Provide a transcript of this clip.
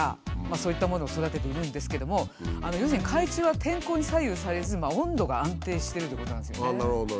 そういったものを育てているんですけども要するに海中は天候に左右されず温度が安定してるということなんですよね。